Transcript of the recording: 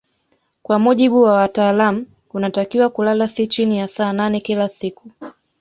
Kwa mujibu wa wataalamu unatakiwa kulala si chini ya saa nane kila siku